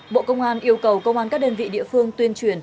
bộ công an yêu cầu công an các đơn vị địa phương tuyên truyền